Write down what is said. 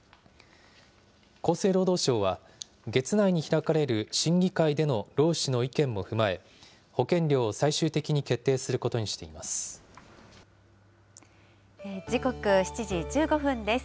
厚生労働省は、月内に開かれる審議会での労使の意見も踏まえ、保険料を最終的に決定することにしています。